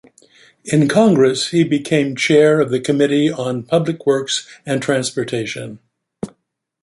In Congress he became chair of the Committee on Public Works and Transportation.